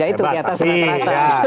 ya itu di atas rata rata